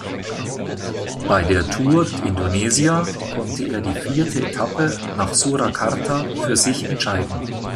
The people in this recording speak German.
Bei der Tour d’Indonesia konnte er die vierte Etappe nach Surakarta für sich entscheiden.